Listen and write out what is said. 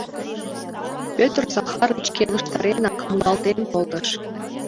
— Пӧтыр Захарыч келыштаренак муралтен колтыш.